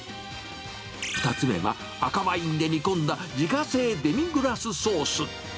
２つ目は、赤ワインで煮込んだ自家製デミグラスソース。